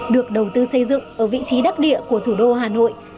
được đầu tư xây dựng ở vị trí đắc địa của thủ đô hà nội